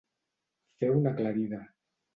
Fer una aclarida.